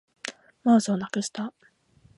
マウスをなくした